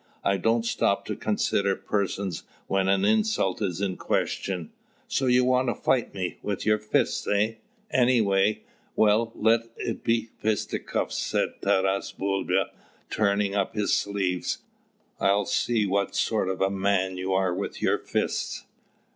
I don't stop to consider persons when an insult is in question." "So you want to fight me? with your fist, eh?" "Any way." "Well, let it be fisticuffs," said Taras Bulba, turning up his sleeves. "I'll see what sort of a man you are with your fists."